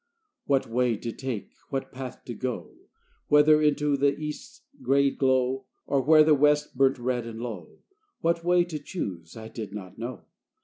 What way to take, what path to go, Whether into the east's gray glow, Or where the west burnt red and low What way to choose I did not know.